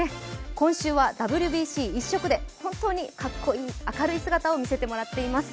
今週はＷＢＣ一色で本当にかっこいい明るい姿を見せてもらっています。